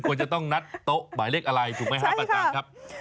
ควรจะต้องนัดโต๊ะบ่ายเลขอะไรถูกไหมฮะปัจจังครับ